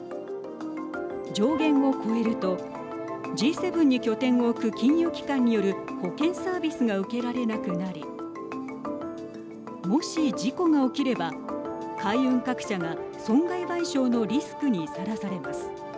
上限を超えるとＧ７に拠点を置く金融機関による保険サービスが受けられなくなりもし事故が起きれば海運各社が損害賠償のリスクにさらされます。